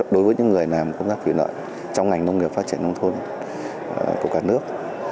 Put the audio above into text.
đối với những người làm công tác thủy lợi trong ngành nông nghiệp phát triển nông thôn của cả nước